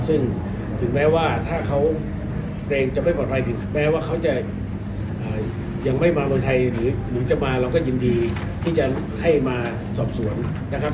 ซึ่งถึงแม้ว่าถ้าเขาเกรงจะไม่ปลอดภัยถึงแม้ว่าเขาจะยังไม่มาเมืองไทยหรือจะมาเราก็ยินดีที่จะให้มาสอบสวนนะครับ